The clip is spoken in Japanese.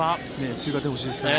追加点欲しいですね。